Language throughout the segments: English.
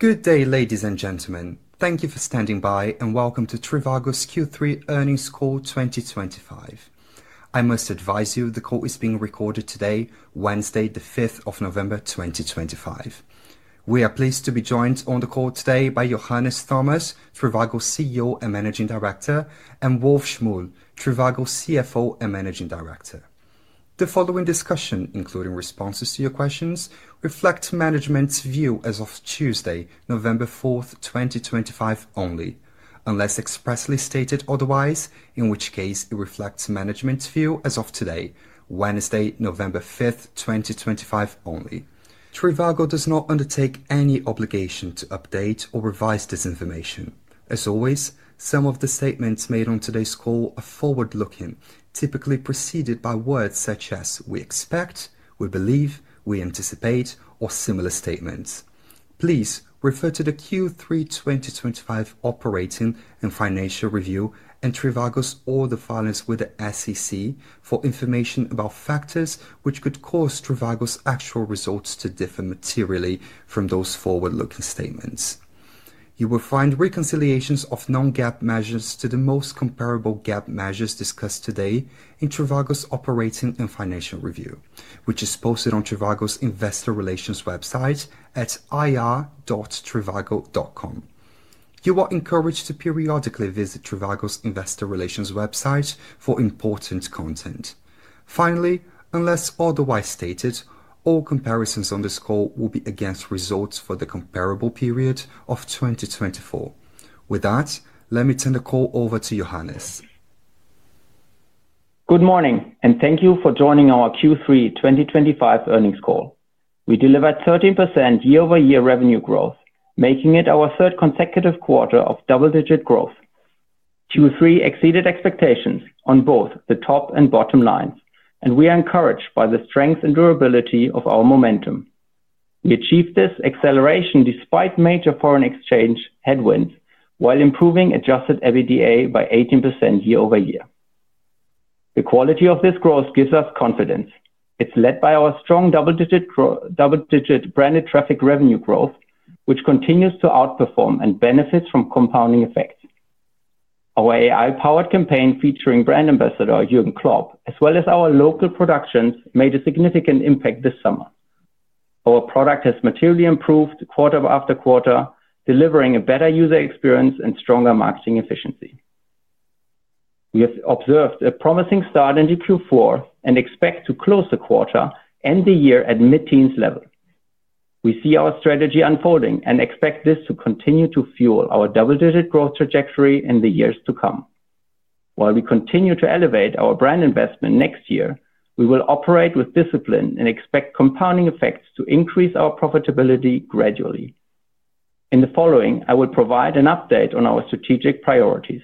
Good day, ladies and gentlemen. Thank you for standing by, and welcome to trivago's Q3 Earnings Call 2025. I must advise you the call is being recorded today, Wednesday, the 5th of November, 2025. We are pleased to be joined on the call today by Johannes Thomas, trivago's CEO and Managing Director, and Wolf Schmuhl, trivago's CFO and Managing Director. The following discussion, including responses to your questions, reflects management's view as of Tuesday, November 4th, 2025 only, unless expressly stated otherwise, in which case it reflects management's view as of today, Wednesday, November 5th, 2025 only. trivago does not undertake any obligation to update or revise this information. As always, some of the statements made on today's call are forward-looking, typically preceded by words such as "we expect," "we believe," "we anticipate," or similar statements. Please refer to the Q3 2025 operating and financial review and trivago's other filings with the SEC for information about factors which could cause trivago's actual results to differ materially from those forward-looking statements. You will find reconciliations of non-GAAP measures to the most comparable GAAP measures discussed today in trivago's operating and financial review, which is posted on trivago's Investor Relations website at ir.trivago.com. You are encouraged to periodically visit trivago's Investor Relations website for important content. Finally, unless otherwise stated, all comparisons on this call will be against results for the comparable period of 2024. With that, let me turn the call over to Johannes. Good morning, and thank you for joining our Q3 2025 earnings call. We delivered 13% year-over-year revenue growth, making it our third consecutive quarter of double-digit growth. Q3 exceeded expectations on both the top and bottom lines, and we are encouraged by the strength and durability of our momentum. We achieved this acceleration despite major foreign exchange headwinds while improving adjusted EBITDA by 18% year-over-year. The quality of this growth gives us confidence. It's led by our strong double-digit branded traffic revenue growth, which continues to outperform and benefits from compounding effects. Our AI-powered campaign featuring Brand Ambassador Jürgen Klopp, as well as our local productions, made a significant impact this summer. Our product has materially improved quarter after quarter, delivering a better user experience and stronger marketing efficiency. We have observed a promising start into Q4 and expect to close the quarter and the year at mid-teens level. We see our strategy unfolding and expect this to continue to fuel our double-digit growth trajectory in the years to come. While we continue to elevate our brand investment next year, we will operate with discipline and expect compounding effects to increase our profitability gradually. In the following, I will provide an update on our strategic priorities.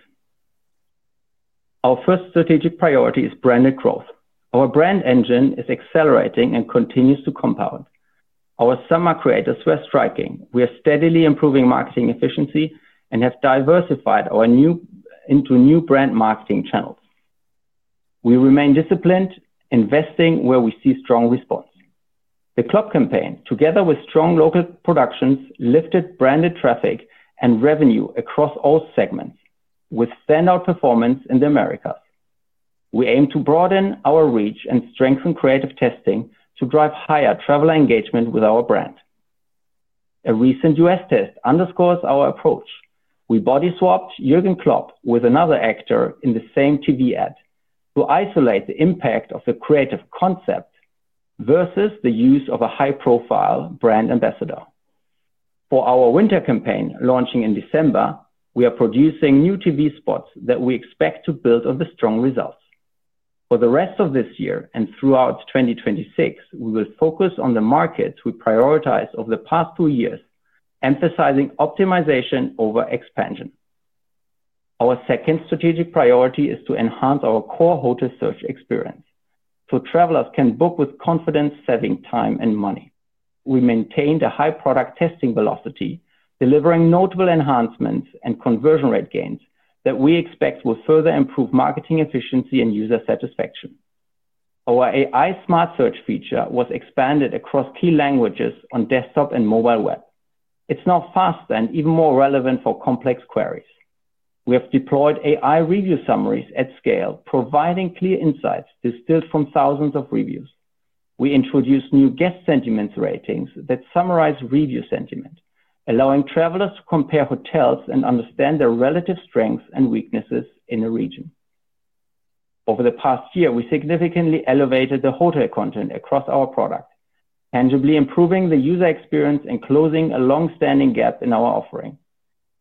Our first strategic priority is branded growth. Our brand engine is accelerating and continues to compound. Our summer creators were striking. We are steadily improving marketing efficiency and have diversified our new brand marketing channels. We remain disciplined, investing where we see strong response. The Klopp campaign, together with strong local productions, lifted branded traffic and revenue across all segments, with standout performance in the Americas. We aim to broaden our reach and strengthen creative testing to drive higher traveler engagement with our brand. A recent U.S. test underscores our approach. We body-swapped Jürgen Klopp with another actor in the same TV ad to isolate the impact of the creative concept versus the use of a high-profile brand ambassador. For our winter campaign, launching in December, we are producing new TV spots that we expect to build on the strong results. For the rest of this year and throughout 2026, we will focus on the markets we prioritize over the past two years, emphasizing optimization over expansion. Our second strategic priority is to enhance our core hotel search experience so travelers can book with confidence, saving time and money. We maintained a high product testing velocity, delivering notable enhancements and conversion rate gains that we expect will further improve marketing efficiency and user satisfaction. Our AI smart search feature was expanded across key languages on desktop and mobile web. It's now faster and even more relevant for complex queries. We have deployed AI Review Summaries at scale, providing clear insights distilled from thousands of reviews. We introduced new Guest Sentiment Ratings that summarize review sentiment, allowing travelers to compare hotels and understand their relative strengths and weaknesses in a region. Over the past year, we significantly elevated the hotel content across our product, tangibly improving the user experience and closing a long-standing gap in our offering.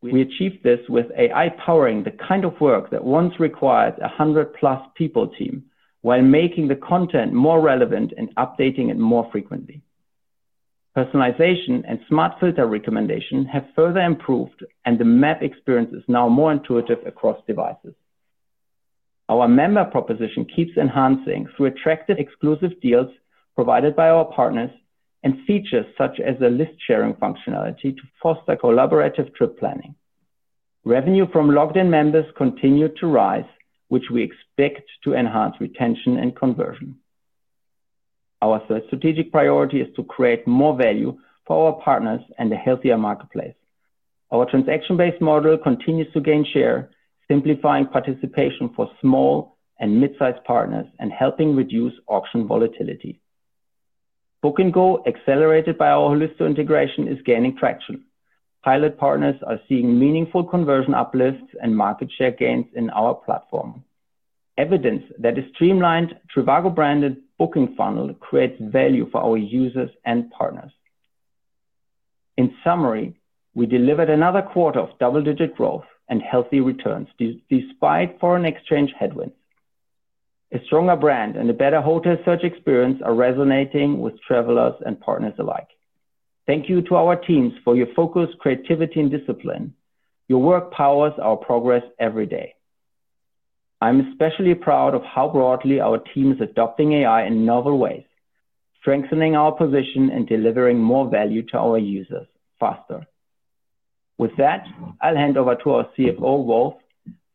We achieved this with AI powering the kind of work that once required 100+ people team while making the content more relevant and updating it more frequently. Personalization and smart filter recommendation have further improved, and the map experience is now more intuitive across devices. Our member proposition keeps enhancing through attractive exclusive deals provided by our partners and features such as a list-sharing functionality to foster collaborative trip planning. Revenue from Logged-In Members continued to rise, which we expect to enhance retention and conversion. Our third strategic priority is to create more value for our partners and a healthier marketplace. Our transaction-based model continues to gain share, simplifying participation for small and mid-sized partners and helping reduce auction volatility. Book & Go, accelerated by our holistic integration, is gaining traction. Pilot partners are seeing meaningful conversion uplifts and market share gains in our platform. Evidence that a streamlined trivago-branded booking funnel creates value for our users and partners. In summary, we delivered another quarter of double-digit growth and healthy returns despite foreign exchange headwinds. A stronger brand and a better hotel search experience are resonating with travelers and partners alike. Thank you to our teams for your focus, creativity, and discipline. Your work powers our progress every day. I'm especially proud of how broadly our team is adopting AI in novel ways, strengthening our position and delivering more value to our users faster. With that, I'll hand over to our CFO, Wolf,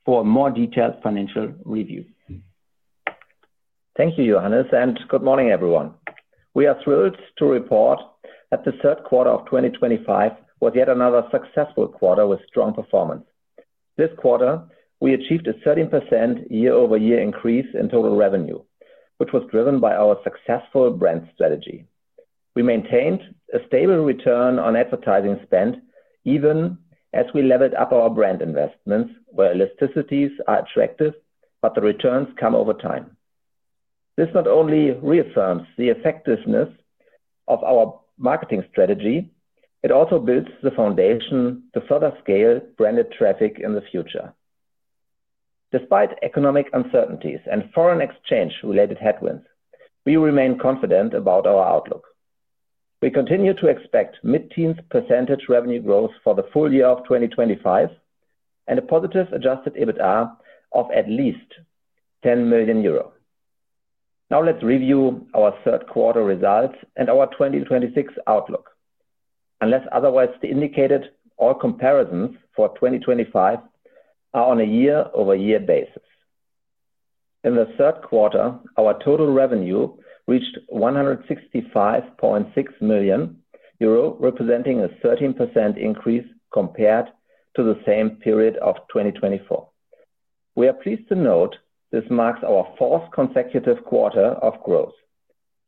for a more detailed financial review. Thank you, Johannes, and good morning, everyone. We are thrilled to report that the third quarter of 2025 was yet another successful quarter with strong performance. This quarter, we achieved a 13% year-over-year increase in total revenue, which was driven by our successful brand strategy. We maintained a stable return on advertising spend even as we leveled up our brand investments, where elasticities are attractive, but the returns come over time. This not only reaffirms the effectiveness of our marketing strategy, it also builds the foundation to further scale branded traffic in the future. Despite economic uncertainties and foreign exchange-related headwinds, we remain confident about our outlook. We continue to expect mid-teens % revenue growth for the full year of 2025 and a positive adjusted EBITDA of at least 10 million euro. Now, let's review our third-quarter results and our 2026 outlook, unless otherwise indicated. All comparisons for 2025 are on a year-over-year basis. In the third quarter, our total revenue reached 165.6 million euro, representing a 13% increase compared to the same period of 2024. We are pleased to note this marks our fourth consecutive quarter of growth.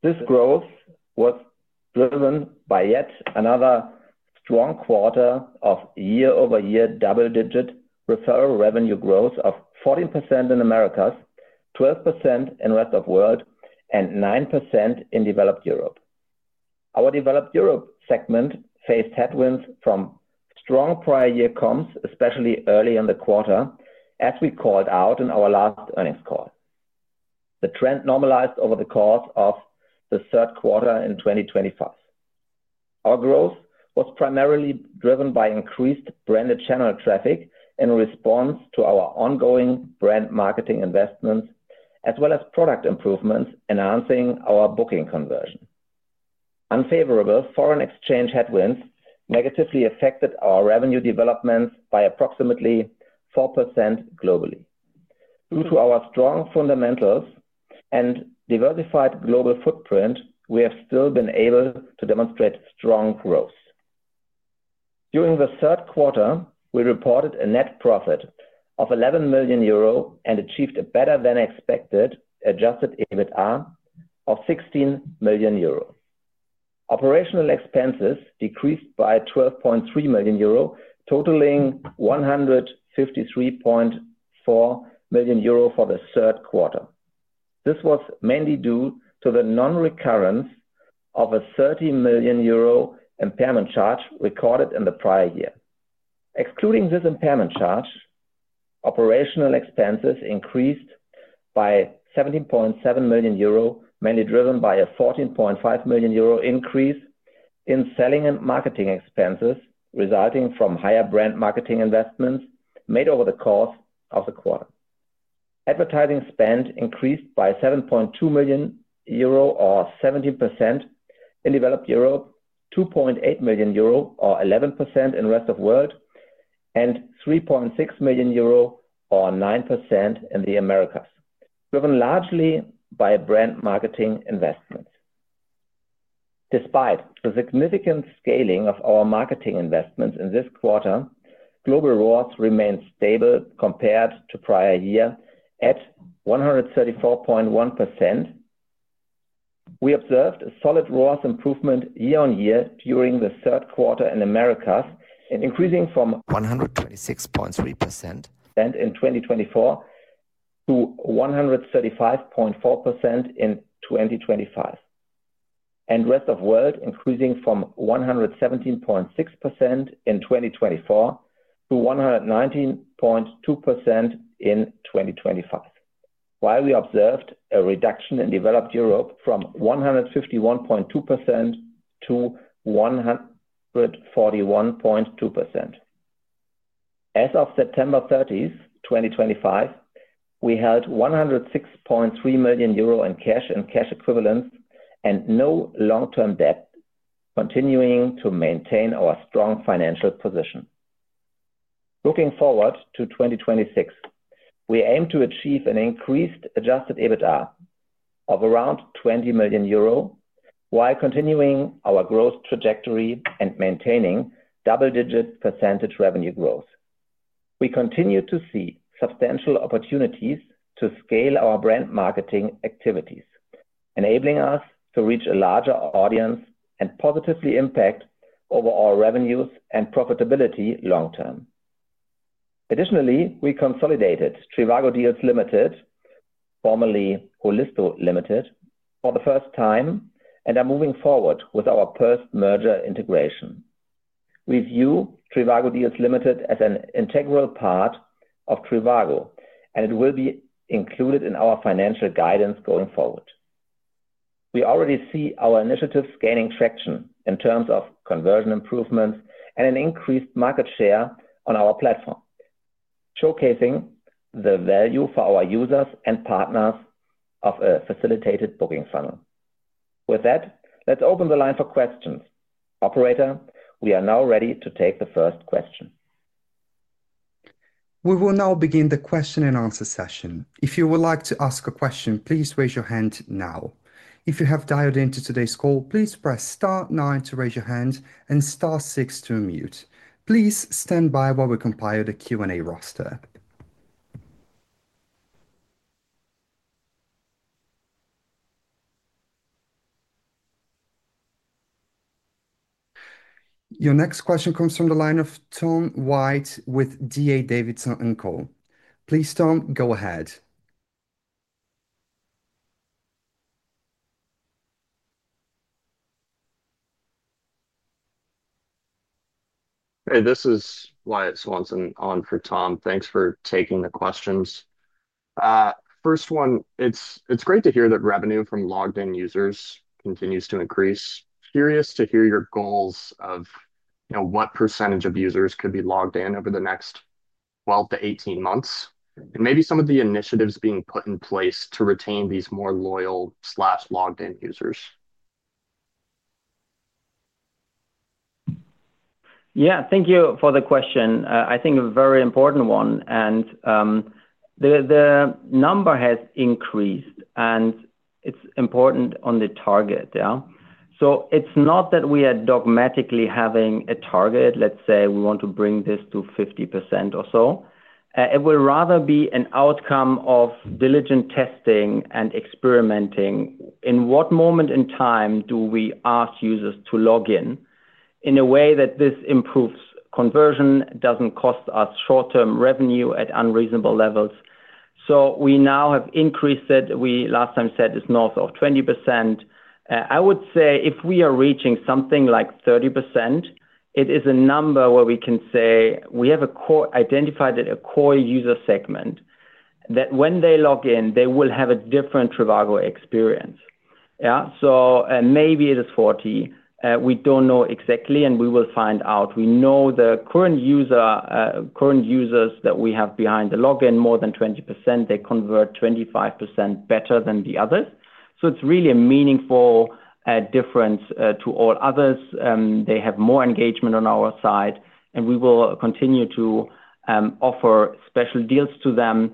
This growth was driven by yet another strong quarter of year-over-year double-digit referral revenue growth of 14% in the Americas, 12% in Rest of World, and 9% in Developed Europe. Our Developed Europe segment faced headwinds from strong prior-year comps, especially early in the quarter, as we called out in our last earnings call. The trend normalized over the course of the third quarter in 2025. Our growth was primarily driven by increased branded channel traffic in response to our ongoing brand marketing investments, as well as product improvements enhancing our booking conversion. Unfavorable foreign exchange headwinds negatively affected our revenue developments by approximately 4% globally. Due to our strong fundamentals and diversified global footprint, we have still been able to demonstrate strong growth. During the third quarter, we reported a net profit of 11 million euro and achieved a better-than-expected adjusted EBITDA of 16 million euro. Operational expenses decreased by 12.3 million euro, totaling 153.4 million euro for the third quarter. This was mainly due to the non-recurrence of a 30 million euro impairment charge recorded in the prior year. Excluding this impairment charge, operational expenses increased by 17.7 million euro, mainly driven by a 14.5 million euro increase in selling and marketing expenses resulting from higher brand marketing investments made over the course of the quarter. Advertising spend increased by 7.2 million euro, or 17%, in Developed Europe, 2.8 million euro, or 11% in Rest of World. 3.6 million euro, or 9%, in the Americas, driven largely by brand marketing investments. Despite the significant scaling of our marketing investments in this quarter, global ROAS remained stable compared to the prior year at 134.1%. We observed a solid ROAS improvement year-on-year during the third quarter in the Americas, increasing from 126.3% in 2024 to 135.4% in 2025, and Rest of World increasing from 117.6% in 2024 to 119.2% in 2025, while we observed a reduction in Developed Europe from 151.2% to 141.2%. As of September 30, 2025, we held 106.3 million euro in cash and cash equivalents and no long-term debt, continuing to maintain our strong financial position. Looking forward to 2026, we aim to achieve an increased adjusted EBITDA of around 20 million euro. While continuing our growth trajectory and maintaining double-digit % revenue growth, we continue to see substantial opportunities to scale our brand marketing activities, enabling us to reach a larger audience and positively impact overall revenues and profitability long-term. Additionally, we consolidated trivago DEALS Ltd, formerly Holisto Ltd, for the first time and are moving forward with our purse merger integration. We view trivago DEALS Ltd as an integral part of trivago, and it will be included in our financial guidance going forward. We already see our initiatives gaining traction in terms of conversion improvements and an increased market share on our platform, showcasing the value for our users and partners of a facilitated booking funnel. With that, let's open the line for questions. Operator, we are now ready to take the first question. We will now begin the question-and-answer session. If you would like to ask a question, please raise your hand now. If you have dialed into today's call, please press Star 9 to raise your hand and Star 6 to unmute. Please stand by while we compile the Q&A roster. Your next question comes from the line of Tom White with D.A. Davidson & Co. Please, Tom, go ahead. Hey, this is Wyatt Swanson on for Tom. Thanks for taking the questions. First one, it's great to hear that revenue from logged-in users continues to increase. Curious to hear your goals of what percentage of users could be logged in over the next 12-18 months and maybe some of the initiatives being put in place to retain these more loyal/logged-in users. Yeah, thank you for the question. I think a very important one. The number has increased, and it's important on the target. It's not that we are dogmatically having a target. Let's say we want to bring this to 50% or so. It will rather be an outcome of diligent testing and experimenting. In what moment in time do we ask users to log in in a way that this improves conversion, doesn't cost us short-term revenue at unreasonable levels? We now have increased it. We last time said it's north of 20%. I would say if we are reaching something like 30%, it is a number where we can say we have identified a core user segment that when they log in, they will have a different trivago experience. Maybe it is 40. We don't know exactly, and we will find out. We know the current users that we have behind the log in, more than 20%. They convert 25% better than the others. It is really a meaningful difference to all others. They have more engagement on our site, and we will continue to offer special deals to them.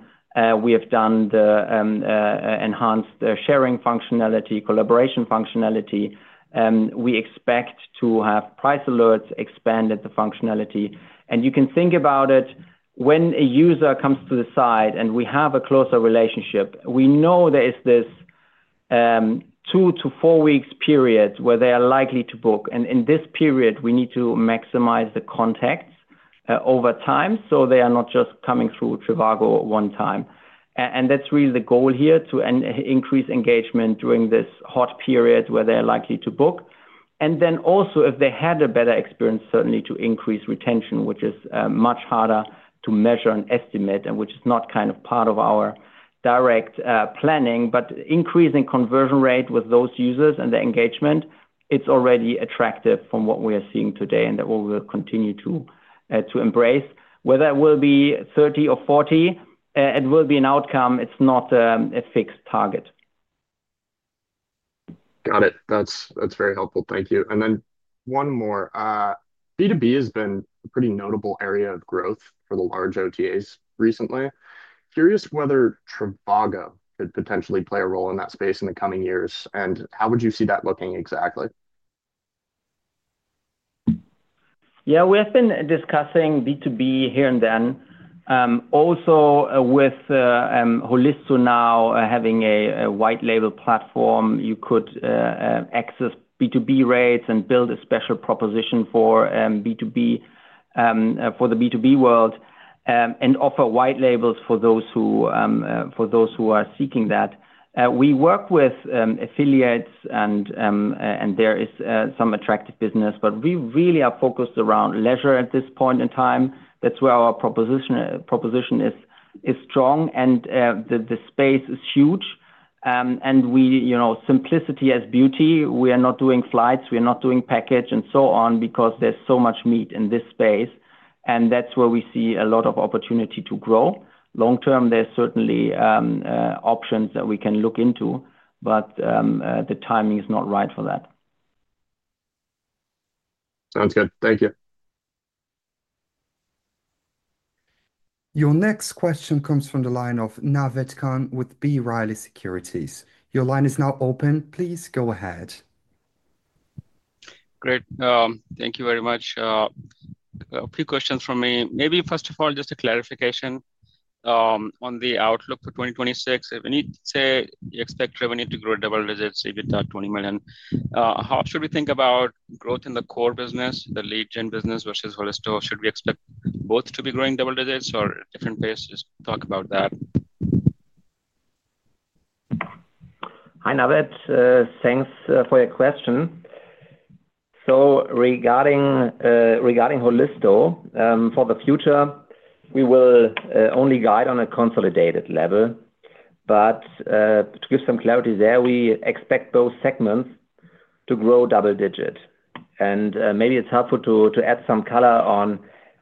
We have done the enhanced sharing functionality, collaboration functionality. We expect to have Price Alerts expanded the functionality. You can think about it. When a user comes to the site and we have a closer relationship, we know there is this two- to four-week period where they are likely to book. In this period, we need to maximize the contacts over time so they are not just coming through trivago one time. That is really the goal here, to increase engagement during this hot period where they are likely to book. If they had a better experience, certainly to increase retention, which is much harder to measure and estimate and which is not kind of part of our direct planning. Increasing conversion rate with those users and the engagement, it's already attractive from what we are seeing today and that we will continue to embrace. Whether it will be 30 or 40, it will be an outcome. It's not a fixed target. Got it. That is very helpful. Thank you. One more. B2B has been a pretty notable area of growth for the large OTAs recently. Curious whether trivago could potentially play a role in that space in the coming years, and how would you see that looking exactly? Yeah, we have been discussing B2B here and then. Also with Holisto now having a white-label platform, you could access B2B rates and build a special proposition for B2B, for the B2B world, and offer white labels for those who are seeking that. We work with affiliates, and there is some attractive business, but we really are focused around leisure at this point in time. That is where our proposition is strong, and the space is huge. And simplicity as beauty. We are not doing flights. We are not doing package and so on because there is so much meat in this space. That is where we see a lot of opportunity to grow. Long term, there are certainly options that we can look into, but the timing is not right for that. Sounds good. Thank you. Your next question comes from the line of Naved Khan with B. Riley Securities. Your line is now open. Please go ahead. Great. Thank you very much. A few questions for me. Maybe first of all, just a clarification. On the outlook for 2026, if you expect revenue to grow double digits, 20 million, how should we think about growth in the core business, the lead gen business versus Holisto? Should we expect both to be growing double digits or different pace? Just talk about that. Hi Naved, thanks for your question. Regarding Holisto for the future, we will only guide on a consolidated level. To give some clarity there, we expect those segments to grow double digits. Maybe it's helpful to add some color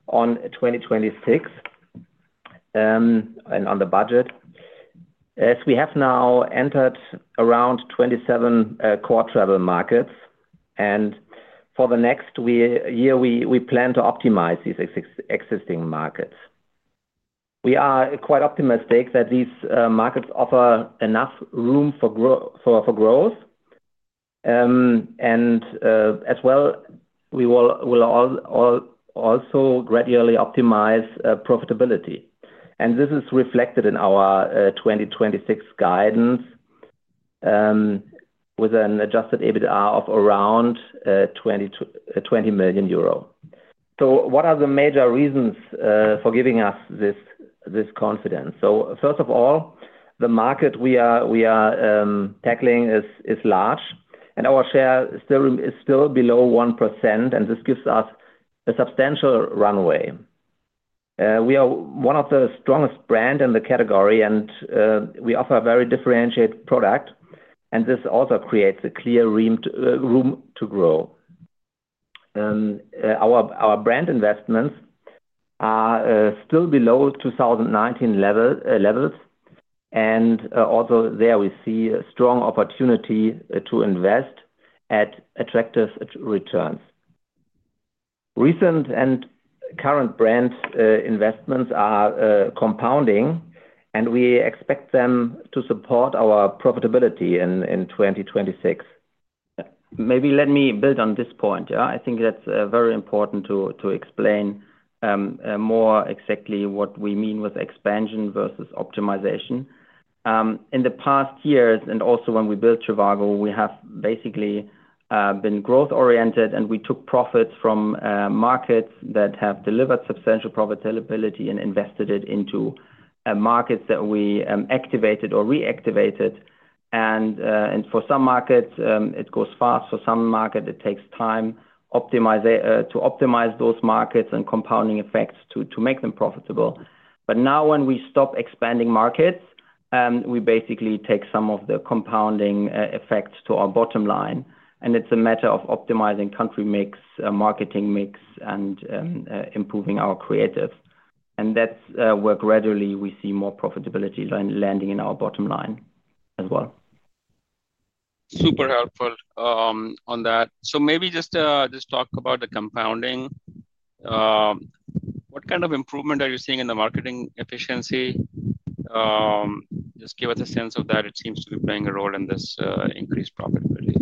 on 2026 and on the budget. As we have now entered around 27 Core Travel Markets, for the next year, we plan to optimize these existing markets. We are quite optimistic that these markets offer enough room for growth. As well, we will also gradually optimize profitability. This is reflected in our 2026 guidance, with an adjusted EBITDA of around 20 million euro. What are the major reasons for giving us this confidence? First of all, the market we are tackling is large, and our share is still below 1%, and this gives us a substantial runway. We are one of the strongest brands in the category, and we offer a very differentiated product, and this also creates a clear room to grow. Our brand investments are still below 2019 levels, and also there we see a strong opportunity to invest at attractive returns. Recent and current brand investments are compounding, and we expect them to support our profitability in 2026. Maybe let me build on this point. I think that's very important to explain. More exactly what we mean with expansion versus optimization. In the past years, and also when we built trivago, we have basically been growth-oriented, and we took profits from markets that have delivered substantial profitability and invested it into markets that we activated or reactivated. For some markets, it goes fast. For some markets, it takes time to optimize those markets and compounding effects to make them profitable. Now when we stop expanding markets, we basically take some of the compounding effects to our bottom line. It is a matter of optimizing country mix, marketing mix, and improving our creative. That is where gradually we see more profitability landing in our bottom line as well. Super helpful. On that. Maybe just talk about the compounding. What kind of improvement are you seeing in the marketing efficiency? Just give us a sense of that. It seems to be playing a role in this increased profitability.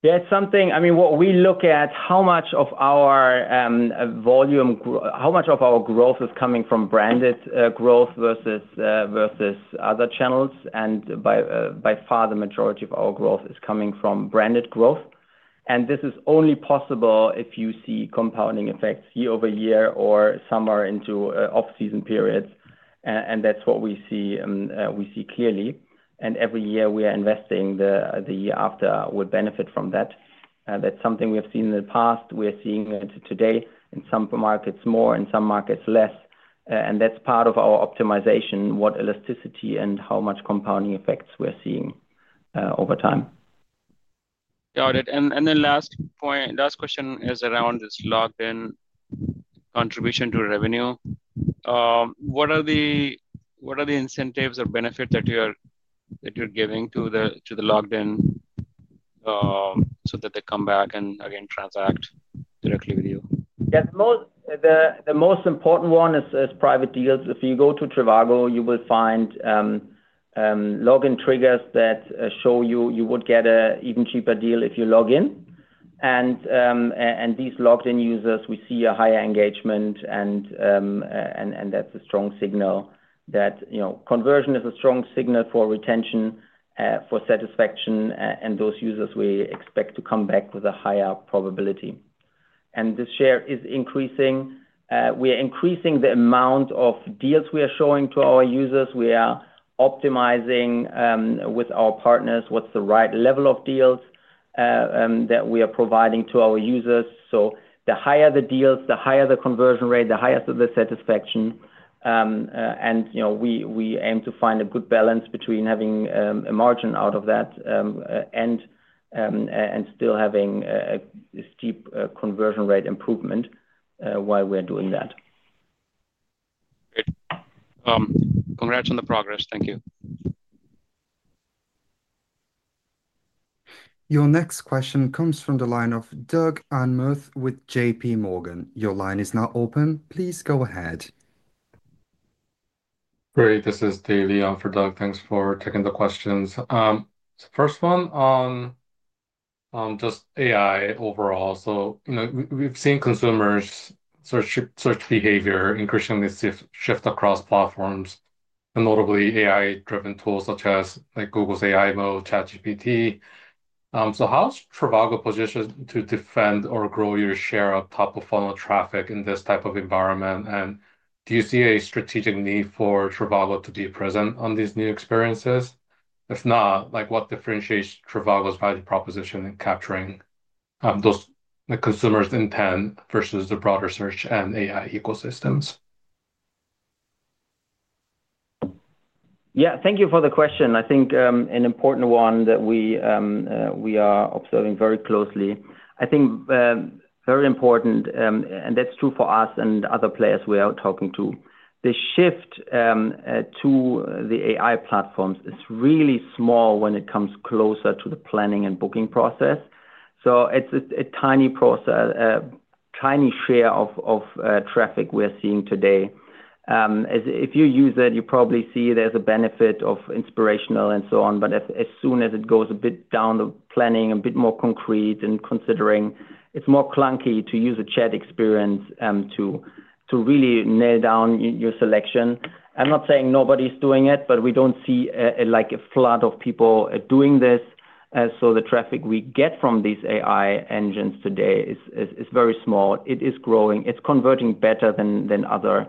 Yeah, it's something. I mean, what we look at, how much of our volume, how much of our growth is coming from branded growth versus other channels. By far, the majority of our growth is coming from branded growth. This is only possible if you see compounding effects year over year or somewhere into off-season periods. That's what we see clearly. Every year we are investing. The year after would benefit from that. That's something we have seen in the past. We are seeing it today in some markets more, in some markets less. That's part of our optimization, what elasticity and how much compounding effects we're seeing over time. Got it. Last question is around this logged-in contribution to revenue. What are the incentives or benefits that you're giving to the logged-in so that they come back and again transact directly with you? The most important one is private deals. If you go to trivago, you will find log-in triggers that show you would get an even cheaper deal if you log in. These logged-in users, we see a higher engagement. That is a strong signal that conversion is a strong signal for retention, for satisfaction, and those users we expect to come back with a higher probability. This share is increasing. We are increasing the amount of deals we are showing to our users. We are optimizing with our partners what is the right level of deals that we are providing to our users. The higher the deals, the higher the conversion rate, the higher the satisfaction. We aim to find a good balance between having a margin out of that and still having a steep conversion rate improvement while we are doing that. Great. Congrats on the progress. Thank you. Your next question comes from the line of Doug Anmuth with JP Morgan. Your line is now open. Please go ahead. Great. This is Dave Lee on for Doug. Thanks for taking the questions. First one on just AI overall. We've seen consumers' search behavior increasingly shift across platforms, notably AI-driven tools such as Google's AI model, ChatGPT. How is trivago positioned to defend or grow your share of top-of-funnel traffic in this type of environment? Do you see a strategic need for trivago to be present on these new experiences? If not, what differentiates trivago's value proposition in capturing those consumers' intent versus the broader search and AI ecosystems? Yeah, thank you for the question. I think an important one that we are observing very closely. I think very important, and that's true for us and other players we are talking to. The shift to the AI platforms is really small when it comes closer to the planning and booking process. So it's a tiny share of traffic we're seeing today. If you use it, you probably see there's a benefit of inspirational and so on. As soon as it goes a bit down the planning, a bit more concrete and considering, it's more clunky to use a chat experience to really nail down your selection. I'm not saying nobody's doing it, but we don't see a flood of people doing this. The traffic we get from these AI engines today is very small. It is growing. It's converting better than other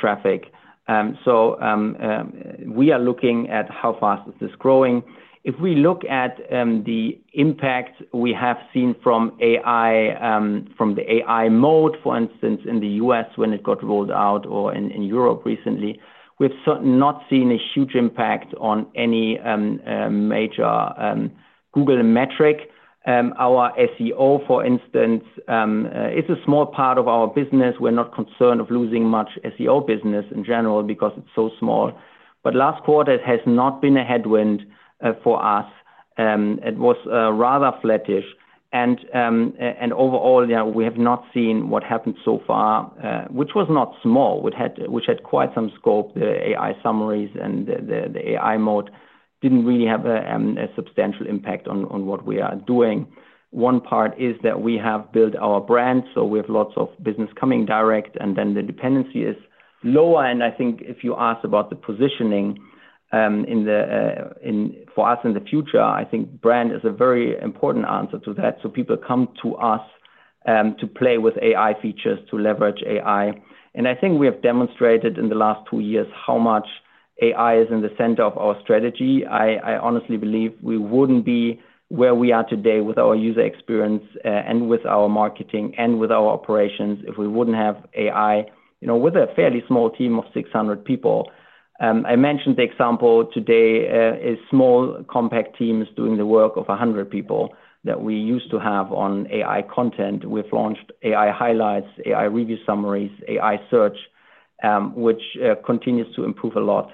traffic. We are looking at how fast is this growing. If we look at the impact we have seen from the AI mode, for instance, in the U.S. when it got rolled out or in Europe recently, we've not seen a huge impact on any major Google metric. Our SEO, for instance, is a small part of our business. We're not concerned of losing much SEO business in general because it's so small. Last quarter, it has not been a headwind for us. It was rather flattish. Overall, we have not seen what happened so far, which was not small, which had quite some scope. The AI summaries and the AI mode didn't really have a substantial impact on what we are doing. One part is that we have built our brand, so we have lots of business coming direct, and then the dependency is lower. I think if you ask about the positioning. For us in the future, I think brand is a very important answer to that. People come to us to play with AI features, to leverage AI. I think we have demonstrated in the last two years how much AI is in the center of our strategy. I honestly believe we would not be where we are today with our user experience and with our marketing and with our operations if we would not have AI with a fairly small team of 600 people. I mentioned the example today is small compact teams doing the work of 100 people that we used to have on AI content. We have launched AI highlights, AI review summaries, AI search, which continues to improve a lot.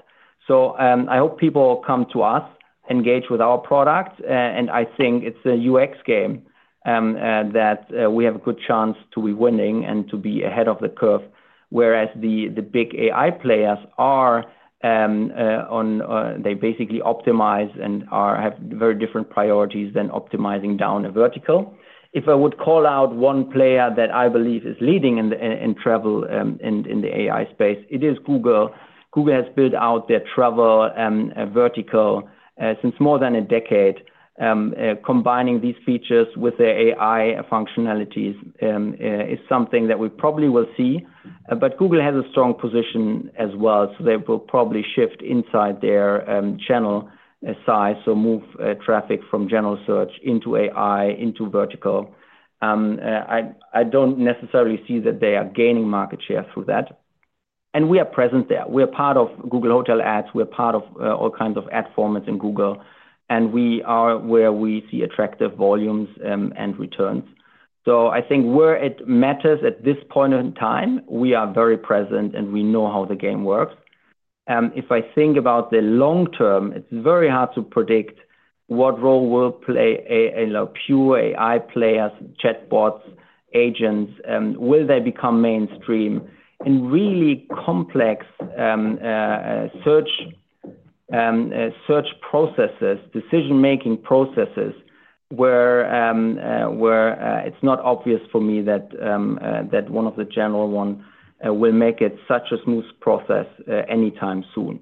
I hope people come to us, engage with our product, and I think it is a UX game. That we have a good chance to be winning and to be ahead of the curve, whereas the big AI players are. They basically optimize and have very different priorities than optimizing down a vertical. If I would call out one player that I believe is leading in travel in the AI space, it is Google. Google has built out their travel vertical since more than a decade. Combining these features with their AI functionalities is something that we probably will see. Google has a strong position as well, so they will probably shift inside their channel size, move traffic from general search into AI, into vertical. I do not necessarily see that they are gaining market share through that. We are present there. We are part of Google Hotel Ads. We are part of all kinds of ad formats in Google, and we are where we see attractive volumes and returns. I think where it matters at this point in time, we are very present and we know how the game works. If I think about the long term, it is very hard to predict what role will play pure AI players, chatbots, agents. Will they become mainstream in really complex search processes, decision-making processes? It is not obvious for me that one of the general ones will make it such a smooth process anytime soon.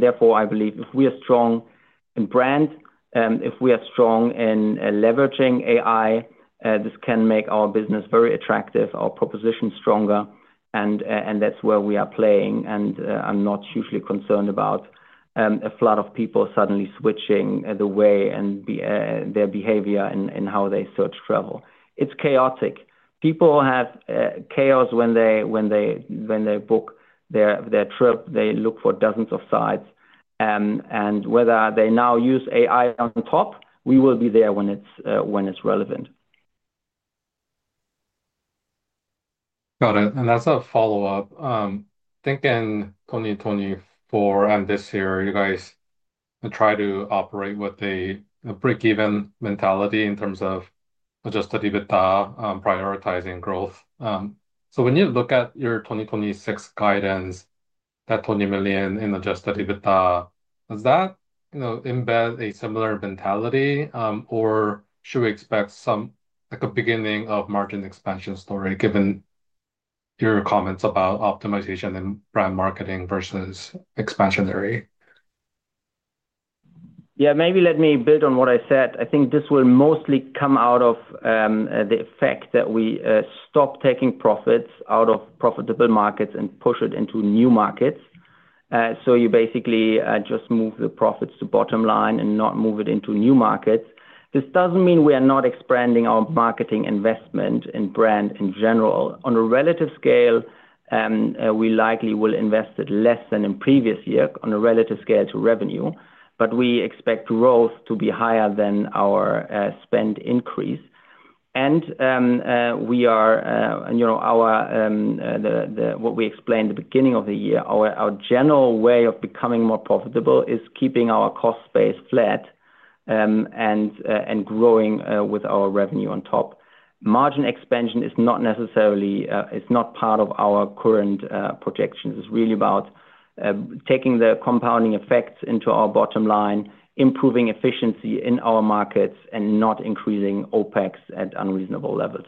Therefore, I believe if we are strong in brand, if we are strong in leveraging AI, this can make our business very attractive, our proposition stronger, and that is where we are playing. I am not hugely concerned about. A flood of people suddenly switching the way and their behavior in how they search travel. It's chaotic. People have chaos when they book their trip. They look for dozens of sites. Whether they now use AI on top, we will be there when it's relevant. Got it. As a follow-up, I think in 2024 and this year, you guys try to operate with a break-even mentality in terms of adjusted EBITDA, prioritizing growth. When you look at your 2026 guidance, that 20 million in adjusted EBITDA, does that embed a similar mentality, or should we expect some beginning of margin expansion story given your comments about optimization and brand marketing versus expansionary? Yeah, maybe let me build on what I said. I think this will mostly come out of the fact that we stop taking profits out of profitable markets and push it into new markets. You basically just move the profits to bottom line and not move it into new markets. This does not mean we are not expanding our marketing investment in brand in general. On a relative scale, we likely will invest it less than in previous years on a relative scale to revenue, but we expect growth to be higher than our spend increase. Our, what we explained at the beginning of the year, our general way of becoming more profitable is keeping our cost base flat and growing with our revenue on top. Margin expansion is not necessarily part of our current projections. It is really about. Taking the compounding effects into our bottom line, improving efficiency in our markets, and not increasing OpEx at unreasonable levels.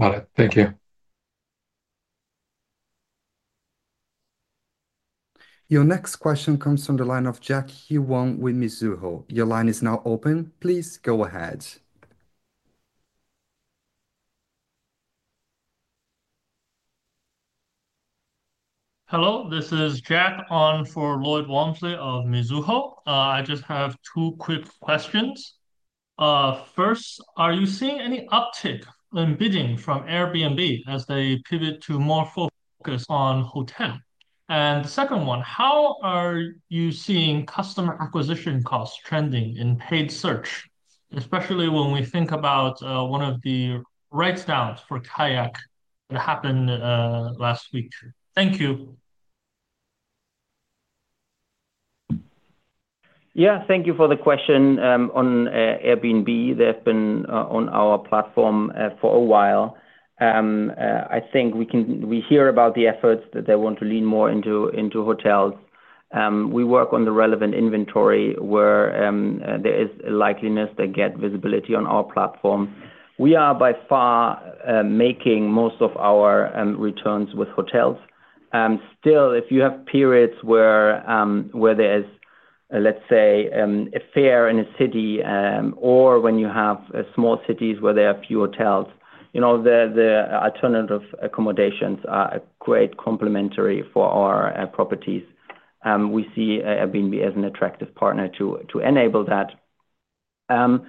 Got it. Thank you. Your next question comes from the line of Jackie Wong with Mizuho. Your line is now open. Please go ahead. Hello, this is Jack on for Lloyd Walmsley of Mizuho. I just have two quick questions. First, are you seeing any uptick in bidding from Airbnb as they pivot to more focus on hotel? The second one, how are you seeing customer acquisition costs trending in paid search, especially when we think about one of the write-downs for KAYAK that happened last week? Thank you. Yeah, thank you for the question on Airbnb. They've been on our platform for a while. I think we hear about the efforts that they want to lean more into hotels. We work on the relevant inventory where there is a likeliness they get visibility on our platform. We are by far making most of our returns with hotels. Still, if you have periods where, let's say, a fair in a city or when you have small cities where there are few hotels, the alternative accommodations are a great complementary for our properties. We see Airbnb as an attractive partner to enable that. On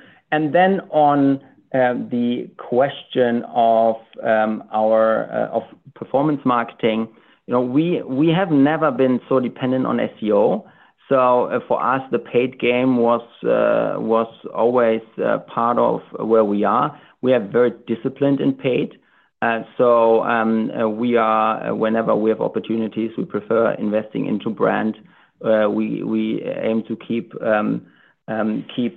the question of our performance marketing, we have never been so dependent on SEO. For us, the paid game was always part of where we are. We are very disciplined in paid. Whenever we have opportunities, we prefer investing into brand. We aim to keep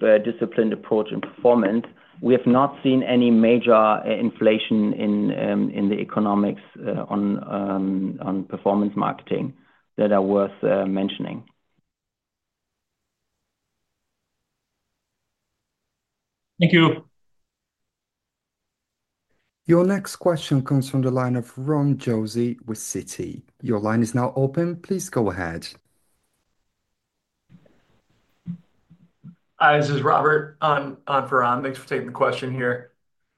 a disciplined approach in performance. We have not seen any major inflation in the economics on performance marketing that are worth mentioning. Thank you. Your next question comes from the line of Ron Josey with Citi. Your line is now open. Please go ahead. Hi, this is Robert on for Ron. Thanks for taking the question here.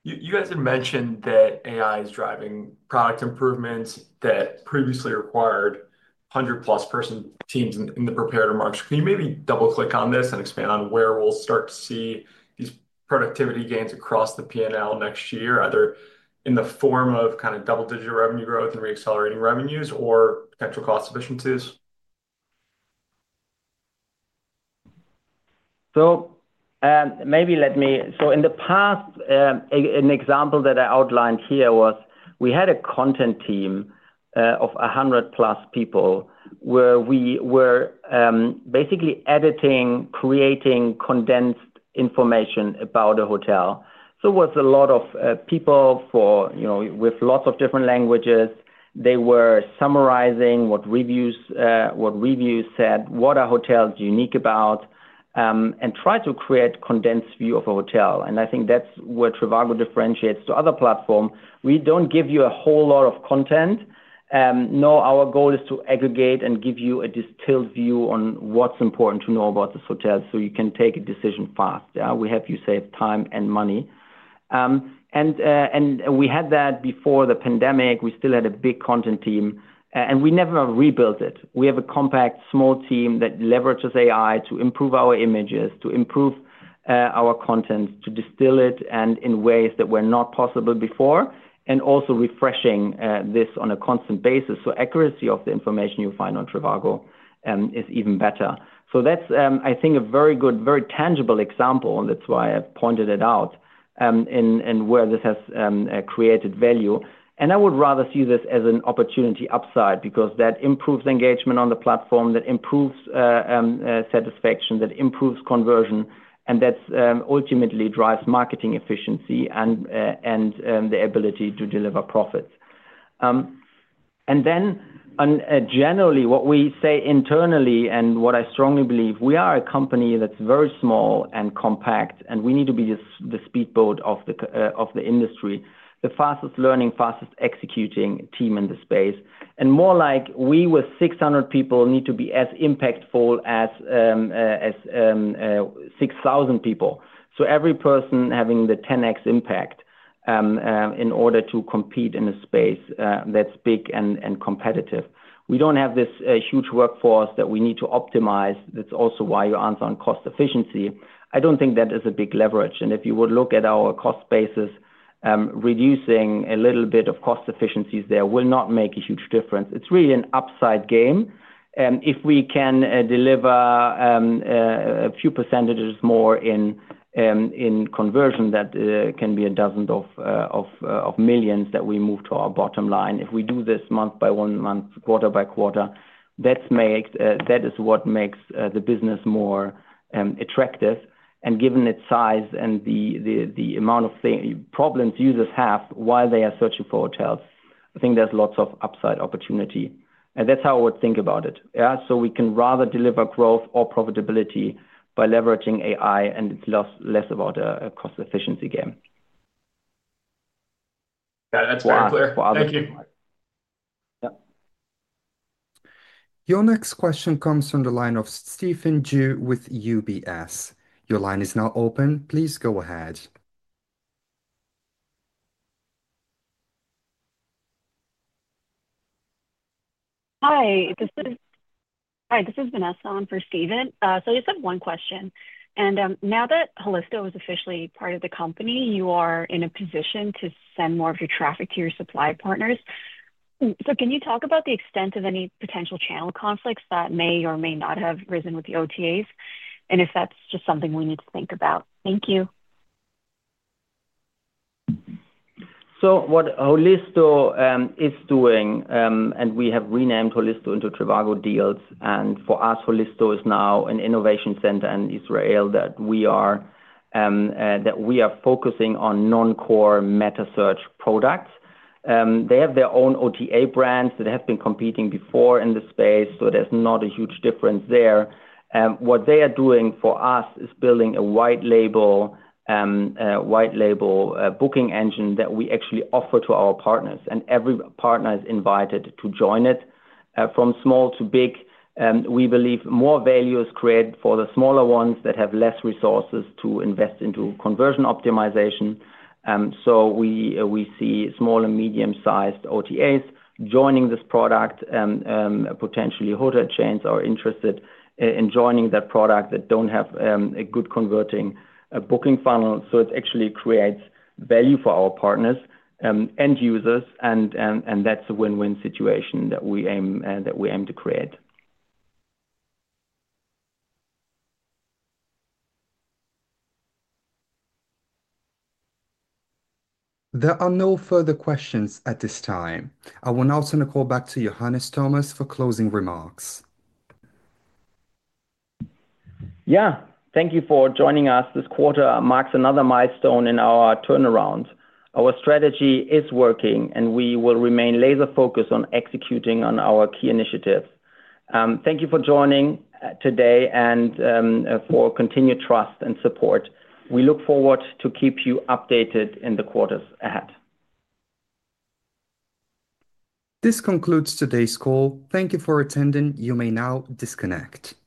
You guys had mentioned that AI is driving product improvements that previously required 100+ person teams in the prepared remarks. Can you maybe double-click on this and expand on where we'll start to see these productivity gains across the P&L next year, either in the form of kind of double-digit revenue growth and re-accelerating revenues or potential cost efficiencies? Maybe let me—in the past. An example that I outlined here was we had a content team of 100+ people. Where we were basically editing, creating condensed information about a hotel. It was a lot of people. With lots of different languages. They were summarizing what reviews said, what are hotels unique about. And tried to create a condensed view of a hotel. I think that's what trivago differentiates from other platforms. We do not give you a whole lot of content. No, our goal is to aggregate and give you a distilled view on what is important to know about this hotel so you can take a decision fast. We help you save time and money. We had that before the pandemic. We still had a big content team, and we never rebuilt it. We have a compact, small team that leverages AI to improve our images, to improve our content, to distill it in ways that were not possible before, and also refreshing this on a constant basis. Accuracy of the information you find on trivago is even better. I think that's a very good, very tangible example. That is why I pointed it out. Where this has created value, I would rather see this as an opportunity upside because that improves engagement on the platform, that improves satisfaction, that improves conversion, and that ultimately drives marketing efficiency and the ability to deliver profits. Generally, what we say internally and what I strongly believe, we are a company that is very small and compact, and we need to be the speedboat of the industry, the fastest learning, fastest executing team in the space. We with 600 people need to be as impactful as 6,000 people. Every person having the 10x impact in order to compete in a space that's big and competitive. We don't have this huge workforce that we need to optimize. That's also why you answer on cost efficiency. I don't think that is a big leverage. If you would look at our cost basis, reducing a little bit of cost efficiencies there will not make a huge difference. It's really an upside game. If we can deliver a few % more in conversion, that can be a dozen of millions that we move to our bottom line. If we do this month by month, quarter by quarter, that is what makes the business more attractive. Given its size and the amount of problems users have while they are searching for hotels, I think there is lots of upside opportunity. That is how I would think about it. We can rather deliver growth or profitability by leveraging AI and less about a cost efficiency game. That's very clear. Thank you. Your next question comes from the line of Steven Ju with UBS. Your line is now open. Please go ahead. Hi. This is Vanessa on for Steven. I just have one question. Now that Holisto is officially part of the company, you are in a position to send more of your traffic to your supply partners. Can you talk about the extent of any potential channel conflicts that may or may not have arisen with the OTAs? Is that just something we need to think about? Thank you. What Holisto is doing, and we have renamed Holisto into trivago DEALS. For us, Holisto is now an innovation center in Israel that we are focusing on non-core meta search products. They have their own OTA brands that have been competing before in the space, so there's not a huge difference there. What they are doing for us is building a white-label booking engine that we actually offer to our partners. Every partner is invited to join it from small to big. We believe more value is created for the smaller ones that have less resources to invest into conversion optimization. We see small and medium-sized OTAs joining this product. Potentially hotel chains are interested in joining that product that do not have a good converting booking funnel. It actually creates value for our partners and users, and that's a win-win situation that we aim to create. There are no further questions at this time. I will now turn the call back to Johannes Thomas for closing remarks. Yeah, thank you for joining us. This quarter marks another milestone in our turnaround. Our strategy is working, and we will remain laser-focused on executing on our key initiatives. Thank you for joining today and for continued trust and support. We look forward to keeping you updated in the quarters ahead. This concludes today's call. Thank you for attending. You may now disconnect.